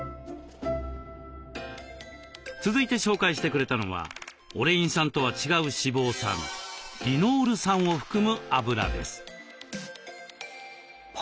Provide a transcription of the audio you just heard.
続いて紹介してくれたのはオレイン酸とは違う脂肪酸リノール酸を含むあぶらです。